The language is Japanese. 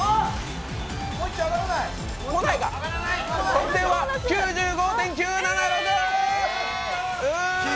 得点は９５．９７６。